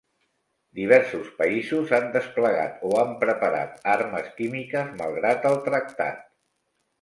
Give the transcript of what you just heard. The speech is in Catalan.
Diversos països han desplegat o han preparat armes químiques malgrat el tractat.